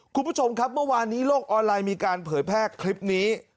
คุณผู้ชมครับเมื่อวานนี้โลกออนไลน์มีการเผยแพร่คลิปนี้